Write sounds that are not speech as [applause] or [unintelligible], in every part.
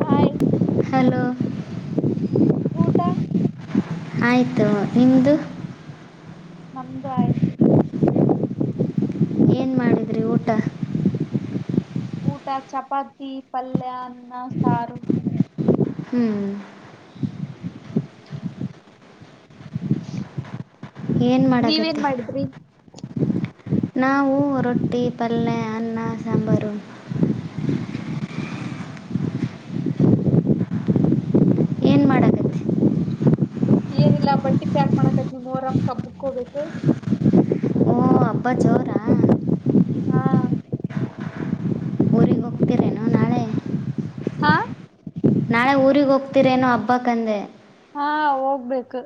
Hi hello ಊಟ ಆಯ್ತು ನಿಮ್ದ ನಮ್ದು ಆಯ್ತು ಏನ್ ಮಾಡಿದ್ರಿ ಊಟ ಊಟ ಚಪಾತಿ ಪಲ್ಯ ಅನ್ನ ಸಾರು ಹ್ಮ್ ಏನ್ ನೀವೇನ್ ಮಾಡಕ್ಕತ್ತಿ ಮಾಡಿದ್ರಿ ನಾವು ರೊಟ್ಟಿ ಪಲ್ಯ ಅನ್ನ ಸಾಂಬಾರು ಏನು ಮಾಡಾಕತ್ತಿ ಏನಿಲ್ಲಾ ಬಟ್ಟಿ ಪ್ಯಾಕ್ ಮಾಡಕೈತ್ತಿ ನೀವು ಮೋಹರಂ ಹಬ್ಬಕ್ ಹೋಬೇಕು ಅಬ್ಬ ಜೋರಾ ಹಾ ಊರಿಗೆ ಹೋಗ್ತಿರೇನು ನಾಳೆ ಹಾ ನಾಳೆ ಊರಿಗೆ ಹೋಗ್ತಿರೇನು ಹಬ್ಬಕಂದೆ ಹಾ ಹೋಗ್ಬೇಕು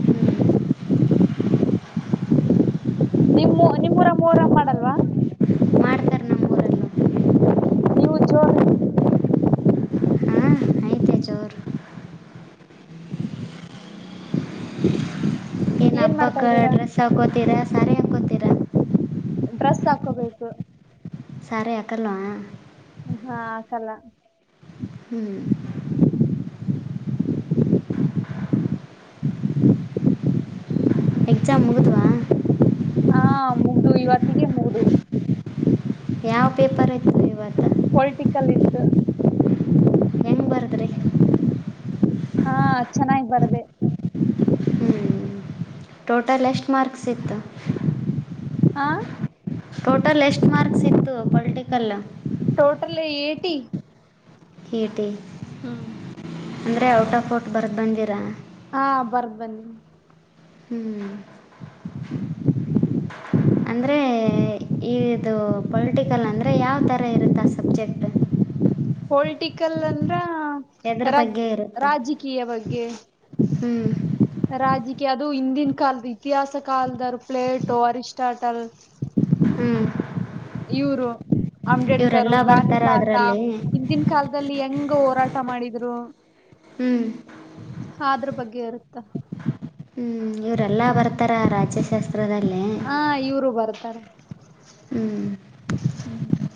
ಹ್ಞೂ ನಿಮ್ಮ ನಿಮ್ಮೂರಾಮ್ ಮೊರಾಮ್ ಮಾಡಲ್ವಾ ಮಾಡ್ತಾರೆ ನಮ್ಮ ಊರಲ್ಲೂ ನೀವು ಜೋರಿ ಹಾಂ ಐತೆ ಜೋರು ಏನ್ ಮಾಡ್ತಾ ಕ್ಕ ಇದ್ದೀರಾ ಡ್ರೆಸ್ ಹಾಕೋತೀರಾ ಸಾರಿ ಹಾಕೋತೀರಾ ಡ್ರೆಸ್ ಹಾಕೋಬೇಕು ಸಾರಿ ಹಾಕಲ್ವಾ ಹೂ ಹೂ ಹಾಕಲ್ಲ ಹ್ಮ್ ಎಕ್ಸಾಮ್ ಮುಗಿದ್ವ ಹಾ ಮುಗ್ದ ಇವತ್ತಿಗೆ ಮುಗ್ದ ಯಾವ ಪೇಪರ್ ಐ ಪೊಲಿಟಿಕಲ್ ಇತ್ತು ಹೆಂಗೆ ಬರೆದ್ರಿ ಹಾ ಅದ್ ಚೆನ್ನಾಗ್ ಬರ್ದೆ. ಹ್ಞೂ ಟೋಟಲ್ ಎಷ್ಟು ಮಾರ್ಕ್ಸ್ ಇತ್ತು. ಹಾ ಟೋಟಲ್ ಎಷ್ಟು ಮಾರ್ಕ್ಸ್ ಇತ್ತು ಪೊಲಿಟಿಕಲ್. Total eighty. ಏಟಿ ಹ್ಮ್ ಅಂದ್ರೆ ಔಟ್ ಆಫ್ ಔಟ್ ಬರ್ದ್ ಬಂದಿರಾ. ಹಾ ಬರ್ದ್ ಬಂದೀನಿ ಹ್ಮ್ ಅಂದ್ರೆ ಇ ಇದು ಪೊಲಿಟಿಕಲ್ ಅಂದ್ರೆ ಯಾವ್ ತರ ಇರುತ್ ಆ ಸಬ್ಜೆಕ್ಟ್. ಪೊಲಿಟಿಕಲ್ ಅಂದ್ರ ಎದ್ರ ರಾಗ್ ಬಗ್ಗೆ ಇರುತ್ತೆ ರಾಜಕೀಯ ಬಗ್ಗೆ ಹ್ಞೂ ರಾಜಕೀಯ ಅದು ಹಿಂದಿನ ಕಾಲದ ಇತಿಹಾಸ ಕಾಲದರು ಪ್ಲೇಟೋ ಅರಿಸ್ಟಾಟಲ್ ಹ್ಮ್ ಇವರು ಅಂಬೇಡ್ಕರು ಇವರೆಲ್ಲ ಗಾಂಧಿ ಬರ್ತಾರ ತಾತ ಅದರಲ್ಲಿ ಹಿಂದಿನ್ ಕಾಲದಲ್ಲಿ ಹೆಂಗ್ ಹೋರಾಟ ಮಾಡಿದ್ರು ಹ್ಮ್ ಸ ಅದ್ರ್ ಬಗ್ಗೆ ಇರುತ್ತ. ಹ್ಮ್ ಇವರೆಲ್ಲ ಬರ್ತಾರ ರಾಜ್ಯಶಾಸ್ತ್ರದಲ್ಲಿ ಹಾ ಇವ್ರು ಬರ್ತಾರೆ. ಹ್ಞೂ ಹ್ಮ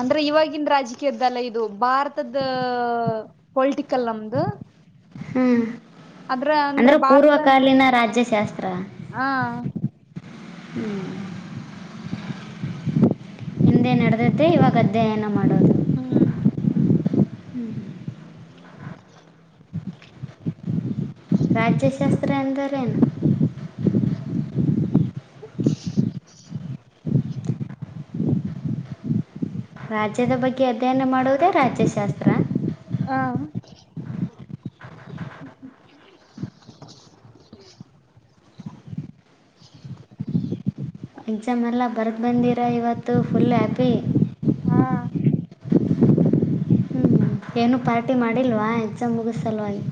ಅಂದ್ರೆ ಇವಾಗಿಂದ್ ರಾಜಕ್ ಕ್ಯದ್ದಲ್ಲ ಇದು ಭಾರತದ ಪೊಲಿಟಿಕಲ್ ನಮ್ದು ಹ್ಮ್ ಅದ್ರ ಅಂದ್ರ ಅಂದ್ರೆ ಭಾರತದ ಪೂರ್ವಕಾಲೀನ ರಾಜ್ಯಶಾಸ್ತ್ರ. ಹ ಹ್ಮ್ ಹಿಂದೆ ನಡೆದದ್ದೆ ಇವಾಗ್ ಅಧ್ಯಯನ ಮಾಡೋದು. ಹ್ಮ್ ರಾಜ್ಯಶಾಸ್ತ್ರ ಅಂದರೇನು? [inaudible] ಹ್ಮ್ ರಾಜ್ಯದ ಬಗ್ಗೆ ಅಧ್ಯಯನ ಮಾಡುವುದೇ ರಾಜ್ಯಶಾಸ್ತ್ರ. ಆಮ್ [inaudible] ಎಕ್ಸಾಮ್ ಎಲ್ಲ ಬರೆದು ಬಂದಿರ ಇವತ್ತು ಫುಲ್ ಹ್ಯಾಪಿ. ಹ ಹ್ಞೂ ಏನು ಪಾರ್ಟಿ ಮಾಡಿಲ್ವಾ ಎಕ್ಸಾಮ್ ಮುಗಿದ್ ಸಲ್ವಾಗಿ.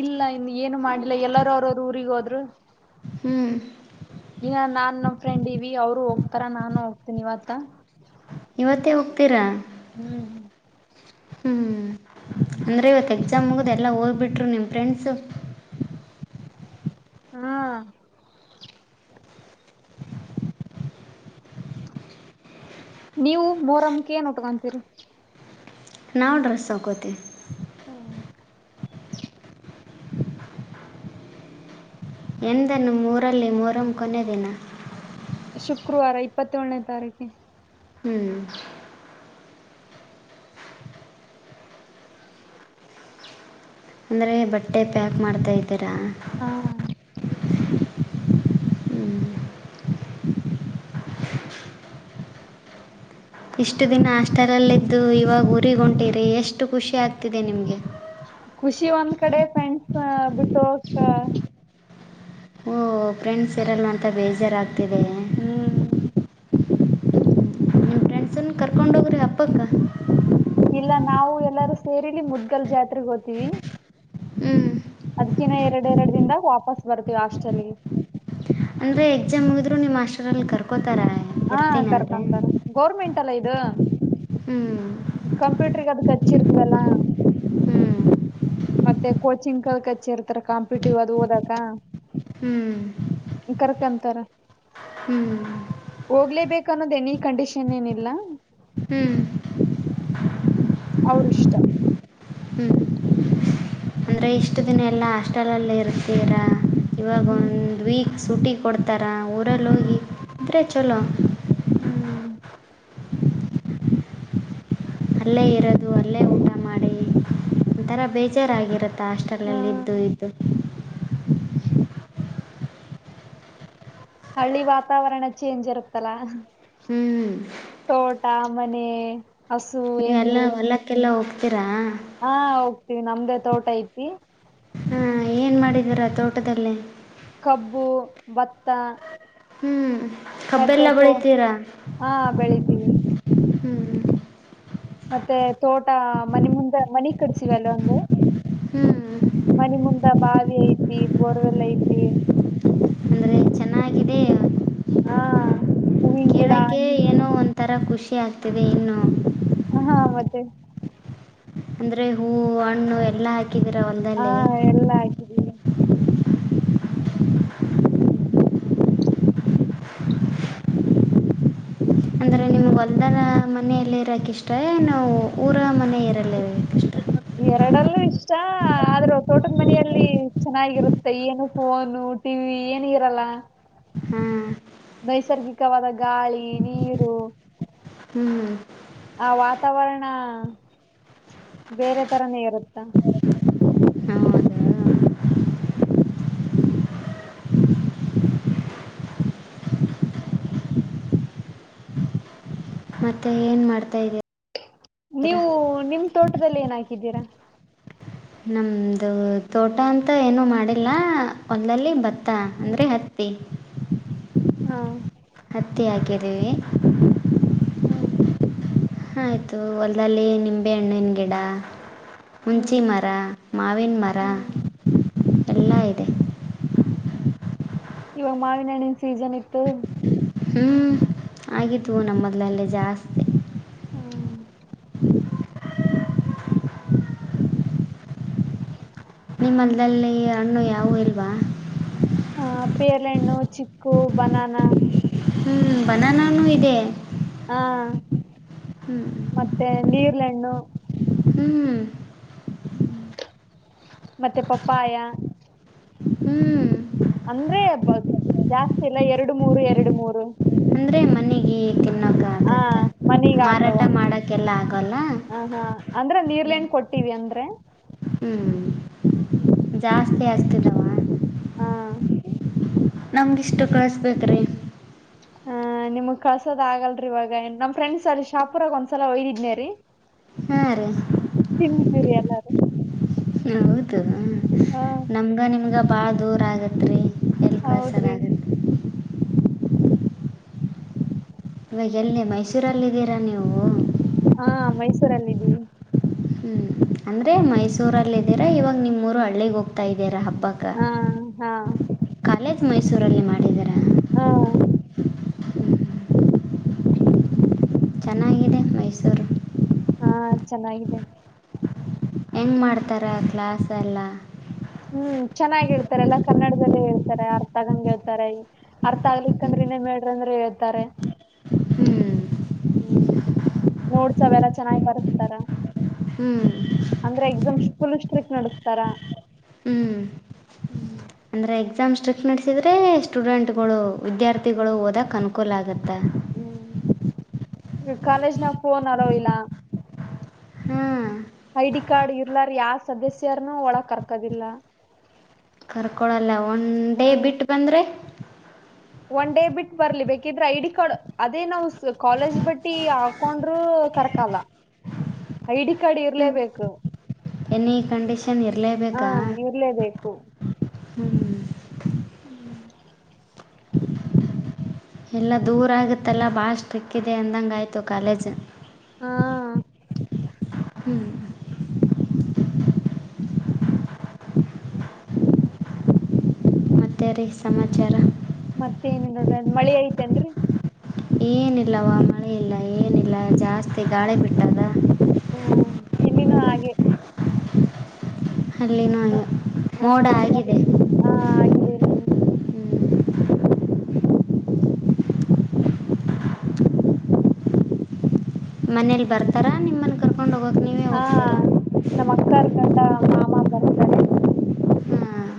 ಇಲ್ಲ ಇನ್ನು ಏನು ಮಾಡಿಲ್ಲ ಎಲ್ಲಾರ್ ಅವ್ರವ್ರ ಊರಿಗೆ ಹೋದ್ರು. ಹ್ಮ್ ಇನ್ನ ನಾನ್ ನಮ್ಮ ಫ್ರೆಂಡ್ ಇವಿ ಅವ್ರು ಹೋಗ್ತಾರಾ ನಾನು ಹೋಗ್ತೀನಿ ಇವತ್ತ. ಇವತ್ತೇ ಹೋಗ್ತೀರ ಹ್ಮ್ ಹ್ ಹ್ಮ್ ಅಂದ್ರೆ ಇವತ್ತು ಎಕ್ಸಾಮ್ ಮುಗ್ದ್ ಎಲ್ಲಾ ಹೋಗ್ಬಿಟ್ರು ನಿಮ್ ಫ್ರೆಂಡ್ಸ್. ಹಾ ನೀವು ಮೋರಂ ಕೇನ್ ಉಟ್ಕೊಂತೀರಿ. ನಾವು ಡ್ರೆಸ್ ಹಕೋತಿವಿ. ಹಾ, ಎಂದನ್ನು ಮೂರಲ್ಲಿ ಮೂರಂ ಕೊನೆಯ ದಿನ. ಶುಕ್ರವಾರ ಇಪ್ಪತ್ತೇಳನೇ ತಾರೀಕಿ. ಹ್ಮ್. ಅಂದ್ರೆ ಬಟ್ಟೆ ಪ್ಯಾಕ್ ಮಾಡ್ತಾ ಇದೀರಾ. ಹಾ, ಹ್ಞೂ ಇಷ್ಟು ದಿನ ಹಾಸ್ಟೆಲಲ್ಲಿದ್ದು ಇವಾಗ ಊರಿಗ್ ಹೊಂಟಿರಿ ಎಷ್ಟು ಖುಷಿ ಆಗ್ತಿದೆ ನಿಮ್ಗೆ. ಖುಷಿ ಒಂದ್ ಕಡೆ ಫ್ರೆಂಡ್ಸ್ ಬಿಟ್ಟ ಹೋಗಕ್ ಓ ಫ್ರೆಂಡ್ಸ್ ಇರಲ್ವ ಅಂತ ಬೇಜಾರಾಗ್ತಿದಿಯೆ. ಹ್ಮ್. ಸನಅತ್ನ್ ಕರ್ಕೊಂಡುಗ್ರಿ ಹಬ್ಬಕ್ಕ. ಇಲ್ಲ ನಾವು ಎಲ್ಲರೂ ಸೇರಿಲಿ ಮುದ್ಗಲ್ ಜಾತ್ರೆಗಿ ಹೋತಿವಿ. ಹ್ಮ. ಅದ್ಕಿನ ಎರಡು ಎರಡು ದಿನದಾಗ ವಾಪಸ್ ಬರ್ತೀವಿ ಹಾಸ್ಟಲ್ಗಿ. ಅಂದ್ರೆ ಎಕ್ಸಾಮ್ ಮುಗದ್ರು ನೀಮ್ ಹಾಸ್ಟೆಲ್ ಅಲ್ಲಿ ಕರ್ಕೋತಾರ. ಹಾ ಇರ್ತೀನಂದ್ರೆ ಕರ್ಕೊಂತಾರ ಗೌರ್ಮೆಂಟ್ ಅಲ್ಲ ಇದ. ಹ್ಞೂ ಕಂಪ್ಯೂಟರ್ಗೆ ಅದಕ್ ಹಚ್ಚಿರ್ತವಲ್ಲಾ. ಹ್ಞೂ ಮತ್ತೆ ಕೋಚಿಂಗ್ ಕಲ್ಕ್ ಹಚ್ಚಿ ಇರ್ತಾರ ಕಾಂಪಿಟಿವ್ ಅದು ಓದಕ. ಹ್ಮ. ಕರ್ಕಂತಾರ. ಹ್ಮ. ಹೋಗ್ಲೇಬೇಕ ಅನ್ನೋದೇ ಎನಿ ಈ ಕಂಡೀಷನ್ ಏನಿಲ್ಲ. ಹ್ಮ. ಅವ್ರ್ ಇಷ್ಟ. ಅಂದ್ರರೆ ಇಷ್ಟು ದಿನ ಎಲ್ಲ ಹಾಸ್ಟೆಲಲ್ಲಿ ಇರ್ತೀರಾ. ಇವಾಗ ಹ್ಮ್ ಒಂದು ವೀಕ್ ಸೂಟಿ ಕೊಡ್ತ ತ್ರ ಊರಲ್ಲಿ ಹೋಗಿ ಇದ್ರರೆ ಚಲೋ. ಹ್ಮ. ಅಲ್ಲೇ ಇರೋದು, ಅಲ್ಲೇ ಊಟ ಮಾಡಿ, ಒಂಥರ ಬೇಜಾರಾಗಿರ ತ್ ಹ ಹಾಸ್ಟೆಲ್ಲ್ಲಿ ಇದ್ದು ಇದ್ದು. ಹಳ್ಳಿ ವಾತಾವರಣ ಚೇಂಜ್ ಇರುತ್ತಲ್ಲ. ಹ್ಮ. ತೋಟ, ಮನೆ, ಹಸು, ಎಮ್ಮೆ, ಕೇಲ್ಲ ಹೋಗ್ತೀರಾ, ಹಾ ಹೋಗ್ತಿವಿ ನಮ್ದೇ ತೋಟ ಐತಿ. ಹಾ ಏನ್ ಮಾಡಿದೀರಾ ತೋಟದಲ್ಲಿ. ಕಬ್ಬು, ಭತ್ತ, ಹ್ಮ್ ಮತ್ತೆ ಕಬ್ಬೆಲ್ಲ ತೋ ಬೆಳಿತೀರಾ. ಹಾ ಬೆಳಿತೀವಿ. ಹ್ಞೂ ಮತ್ತೆ ತೋಟ ಮನೆ ಮುಂದ ಮನಿ ಕಡ್ಸಿವಿ ಅಲ್ಲ ಒಂದ. ಹ್ಞೂ ಮನಿ ಮುಂದ ಬಾವಿ ಐತಿ, ಬೋರ್ವೆಲ್ಲ ಐತಿ, ಅಂದರೆ ಚೆನ್ನಾಗಿದೆ ಹಾ ಹೂವಿಂಗಿಡ ಹಣ್ಣಿನ್ ತರ ಖುಷಿ ಆಗ್ತಿದೆ ಇನ್ನು. ಹಾ ಮತ್ತೆ. ಅಂದ್ರೆ ಹೂವು, ಹಣ್ಣು, ಎಲ್ಲ [unintelligible] ಹಾ ಎಲ್ಲ ಹಾಕಿದ್ದೀವಿ ಅಂದ್ರೆ ನಿಮ್ಗೆ ಹೊಲ್ದನ ಮನೆಯಲ್ಲ ಇರಾಕ್ ಇಷ್ಟ ಎನ ಊರ ಮನೆ ಇರಕ ಎರಡಲ್ಲೂ ಇಷ್ಟ ಆದ್ರೂ ತೋಟದ ಮನೆಯಲ್ಲಿ ಚೆನ್ನಾಗಿರುತ್ತೆ ಮತ್ತ ಏನು ಫೋನು ಟಿವಿ ಏನು ಇರಲ್ಲಾ ಹ್ಮ ನೈಸರ್ಗಿಕವಾದ ಗಾಳಿ ನೀರು ಹ್ಮ್ ಆ ವಾತಾವರಣ ಬೇರೆ ತರನೇ ಇರುತ್ತಾ ಹೌದಾ ಮತ್ತೆ ಏನ್ ಮಾಡ್ತಾ ಇದೀರಿ ನೀವು ನಿಮ್ ತೋಟದಲ್ಲಿ ಏನ ಹಾಕಿದ್ದೀರಾ ನಮ್ದು ತೋಟ ಅಂತ ಏನು ಮಾಡಿಲ್ಲ ಹೋಲದಲ್ಲಿ ಭತ್ತ ಹ್ಮ್ ಅಂದ್ರೆ ಹ ತ್ತ ಹಾ ಹತ್ತಿ ಹಾಕಿದ್ದೀವಿ ಹ್ಮ್ ಹಾಂ ಆಯಿತು ಹೊಲ್ದಲ್ಲಿ ನಿಂಬೆ ಹಣ್ಣಿನ ಗಿಡಾ ಹುಂಚಿನ ಹ್ಮ್ ಮರಾ ಮಾವಿನ ಮರಾ ಹ್ಮ್ ಎಲ್ಲಾ ಇದೆ ಇವಾಗ ಮಾವಿನ ಹಣ್ಣಿನ್ ಸೀಸನ್ ಇತ್ತು ಹ್ಞೂಂ ಆಗಿದವು ನಮ್ಮ ಹೋಲದಲ್ಲೇ ಜಾಸ್ತಿ ಹ್ಮ್ ನಿಮ್ಮ ಹೋಲದಲ್ಲಿ ಹಣ್ಣು ಯಾವವು ಇಲ್ವಾ ಹ ಪೇರಲ ಹಣ್ಣು, ಚಿಕ್ಕು, ಬನಾನ, ಹ್ಞೂ ಬನಾನೂ ಇದೆ ಹಾ ಹ್ಮ್ ಮತ್ತೆ ನೀರಲಹಣ್ಣು ಹ್ಮ್ ಹ್ಮ ಹ್ಮ್ ಮತ್ತೆ ಪಪ್ಪಾಯ ಹ್ಞೂ ಅಂದ್ರೆ ಜಾಸ್ತಿ ಇಲ್ಲಾ ಎರಡು ಮೂರು ಎರಡು ಮೂರು ಅಂದ್ರೆ ಮನೆಗೆ ತಿನ್ನೋಕೆ ಹಾ ಆಗತ್ತ ಮನಿಗ ಆಗತಾವ ಮಾರಾಟ ಮಾಡಕ್ಕೆಲ್ಲ ಆಗೋಲ್ಲ ಹ ಹಾ ಅಂದ್ರೆ ನೀರಲ್ ಹಣ್ಣ ಕೊಟ್ಟಿವಿ ಅಂದ್ರೆ ಹ್ಮ್ ಹ್ಮ್ ಜಾಸ್ತಿ ಆಗ್ತಿದಾವ ಹಾ ನಮ್ಗ ಇಷ್ಟು ಕಳ್ಸ್ ಬೆಕ್ರೀ ಹ ನಿಮ್ಗ್ ಕಳ್ಸೋದ ಆಗಲ್ರಿ ಇವಾಗ ನಮ ಫ್ರೆಂಡ್ಸ್ ಅಲ್ಲಿ ಶಾಪುರಾಗ ಒಂದ್ಸಲ ಒಯ್ದಿದ್ನೇ ರೀ ಹಾ ರೀ ತಿಂದಿದ್ದೀರಿ ಎಲ್ಲಾರು ಹೌದು ಆ ನಮ್ಗ ನಿಮ್ಗ ಬಾಳ ದೂರ ಆಗೆತ್ರಿ ಹೌದ್ರಿ ಇವಾಗ ಎಲ್ಲಿ ಮೈಸೂರಲ್ಲಿದ್ದೀರಾ ನೀವು ಹಾ ಮೈಸೂರಲ್ಲಿ ಇದ್ದೀವಿ ಹ್ಞೂ ಅಂದರೆ ಮೈಸೂರಲ್ಲಿದ್ದೀರಾ ಇವಾಗ ನಿಮ್ಮೂರು ಹಳ್ಳಿಗೆ ಹೋಗ್ತಾ ಇದ್ದೀರಾ ಹಬ್ಬಕ್ಕೆ ಆ ಹಾ ಕಾಲೇಜ್ ಮೈಸೂರಲ್ಲಿ ಮಾಡಿದರ. ಹ್ಮ್ ಚೆನ್ನಾಗಿದೆ ಮೈಸೂರು. ಹಾ ಚೆನ್ನಾಗಿದೆ ಹೆಂಗ್ ಮಾಡ್ತಾರೆ ಆ ಕ್ಲಾಸೆಲ್ಲ. ಹ್ಮ್ ಚೆನ್ನಾಗಿ ಹೇಳ್ತಾರೆ ಎಲ್ಲಾ ಕನ್ನಡದದಲ್ಲೆ ಹೇಳ್ತಾರೆ ಅರ್ಥ ಆಗಂಗ್ ಹೇಳ್ತಾರೆ. ಅರ್ಥ ಆಗ್ಲಿಕ್ಕಂದ್ರ ಇನ್ನೊಮ್ಮೆ ಹೇಳ್ರ್ ಅಂದ್ರೆ ಹೇಳ್ತಾರೆ. ಹ್ಞೂ ಹ್ಮ್ ನೋಡ್ಸವೆಲ್ಲ ಚೆನ್ನಾಗ್ ಬರಸ್ತಾರ. ಹ್ಮ್ ಅಂದ್ರೆ ಎಕ್ಸಾಮ್ ಫುಲ್ ಸ್ಟ್ರಿಕ್ ನಡಸ್ತಾರ. ಹ್ಮ್ ಹ್ಮ್ ಅಂದ್ರೆ ಎಕ್ಸಾಮ್ ಸ್ಟ್ರಿಕ್ಟ್ ನಡೆಸಿದ್ರೆ ಸ್ಟೂಡೆಂಟ್ಗಳು ವಿದ್ಯಾರ್ಥಿಗಳು ಹ್ಮ್ ಓದಕ್ ಅನುಕೂಲ ಆಗತ್ತೆ ಅಂತ್ ಹ್ಮ್ ಈ ಕಾಲೇಜ್ ನಾಗ್ ಫೋನ್ ಅಲೋ ಇಲ್ಲ. ಹ್ಮ್ ಐ ಡಿ ಕಾರ್ಡ್ ಇರ್ಲಾರ ಯಾವ ಸದಸ್ಯರ್ನು ಒಳಗ್ ಕರ್ಕೋದಿಲ್ಲ. ಕರ್ಕೊಳಲ್ಲ ಒನ್ ಡೇ ಹ್ಮ್ ಬಿಟ್ ಬಂದ್ರೆ ಒನ್ ಡೇ ಬಿಟ್ಟ ಬರ್ಲಿ ಬೇಕಿದ್ರೆ ಐಡಿ ಕಾರ್ಡ್ ಅದೇ ನಾವು ಕಾಲೇಜ್ ಬಟ್ಟಿ ಆ ಕೊಂಡ್ರು ಕರ್ಕಲ್ಲ. [inaudible] ಐ ಡಿ ಕಾರ್ಡ್ ಇ ಹ್ಮ್ ಎನಿ ಕಂಡೀಷನ್ ಇರ್ಲೇಬೇಕ. ಗ್ಲೇಬೇಕು ಹ್ಮ್ ಎಲ್ಲ ದೂರ ಆಗತ್ತಲ್ಲ ಭಾಳ ಸ್ಟ್ರಿಕ್ ಇದೆ ಅಂದಂಗಾಯ್ತು ಕಾಲೇಜ್. ಹಾ ಹ್ಞೂ ಮತ್ತೆ ರಿ ಸಮಾಚಾರ. ಮತ್ತ ಏನ್ ಇಲ್ ನೋಡ್ರಿ ಮಳಿ ಐತೇನ್ರಿ. ಏನಿಲ್ಲವಾ ಮಳೆ ಇಲ್ಲ ಏನಿಲ್ಲ ಜಾಸ್ತಿ ಗಾಳಿ ಬಿಟ್ಟದ. ಹ್ಮ್ ಇಲ್ಲಿನೂ ಹಾಗೆ ಮೋ ಅಲ್ಲಿನುನು ಮೋಡ ಆಗಿದೆ. ಹಾ [unintelligible] ಹ್ಞೂ ಮನೇಲಿ ಬರ್ತಾರ ನಿಮ್ಮನ್ ಕರ್ ಕೊಂಡ್ ಹೋಗೋಕ್ಕೆ ಹ ನಮ್ಮ ಅಕ್ಕೋರ್ ಗಂಡ ಮಾಮ ಬರ್ತಾರೆ. ಹ್ಮ್